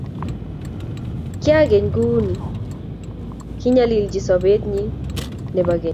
kiyaigei kuuni kinyalilchi sobet nyin nebo keny.